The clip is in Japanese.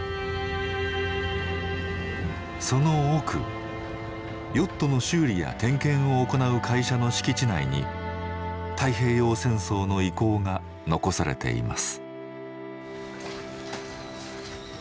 その奥ヨットの修理や点検を行う会社の敷地内に太平洋戦争の遺構が残されています。